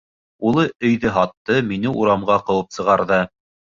Улы өйҙө һатты, мине урамға ҡыуып сығарҙы.